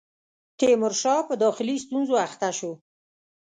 تیمورشاه په داخلي ستونزو اخته شو.